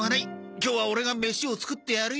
今日はオレが飯を作ってやるよ。